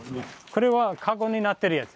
これはカゴになってるやつ？